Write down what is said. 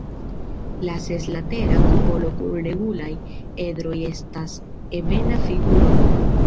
La seslatera kupolo kun regulaj edroj estas ebena figuro.